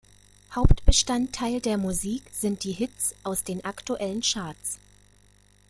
Hauptbestandteil der Musik sind die Hits aus den aktuellen Charts.